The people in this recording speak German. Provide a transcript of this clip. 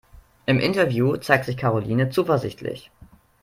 Im Interview zeigt sich Karoline zuversichtlich.